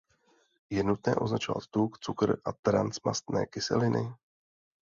Je nutné označovat tuk, cukr a transmastné kyseliny?